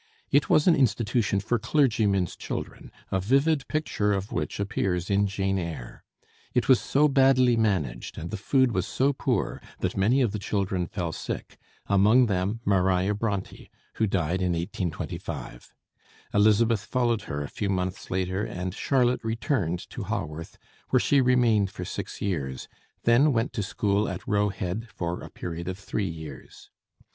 It was an institution for clergymen's children, a vivid picture of which appears in 'Jane Eyre.' It was so badly managed and the food was so poor that many of the children fell sick, among them Maria Bronté, who died in 1825. Elizabeth followed her a few months later, and Charlotte returned to Haworth, where she remained for six years, then went to school at Roe Head for a period of three years.